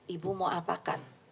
ibu mau apakan